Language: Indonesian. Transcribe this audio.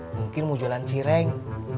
mungkin mau jualan sireng